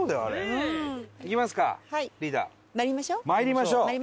まいりましょう。